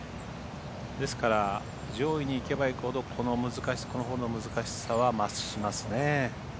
ですから、上位にいけばいくほどこのホールの難しさは増しますね。